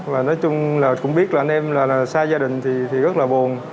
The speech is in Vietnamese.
và nói chung là cũng biết là anh em là xa gia đình thì rất là bồn